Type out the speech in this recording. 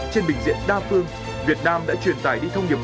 trên bình diện đa phương việt nam đã truyền tải đi thông điệp